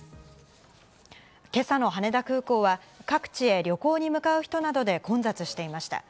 今朝の羽田空港は各地へ旅行に向かう人などで混雑していました。